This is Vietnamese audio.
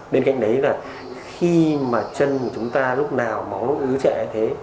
bên cạnh đấy là khi mà chân của chúng ta lúc nào máu ứ trệ thế